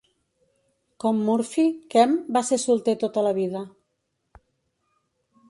Com Murphy, Kemp va ser solter tota la vida.